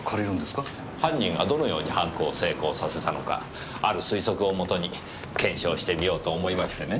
犯人がどのように犯行を成功させたのかある推測を元に検証してみようと思いましてね。